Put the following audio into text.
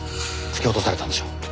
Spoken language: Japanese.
突き落とされたんでしょう。